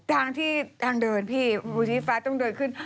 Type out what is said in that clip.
ทางที่ทางเดินพี่ภูชีฟ้าต้องเดินขึ้น